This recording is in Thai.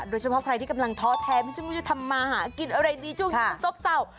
โดยเฉพาะใครที่กำลังท้อแทนไม่จำนวนจะทำมาหากินอะไรดีจุดที่มันเศร้า